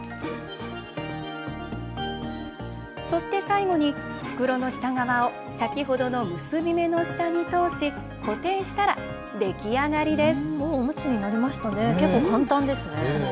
そして最後に袋の下側を先ほどの結び目の下に通し固定したら出来上がりです。